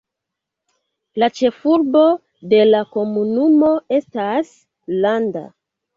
La ĉefurbo de la komunumo estas Landa.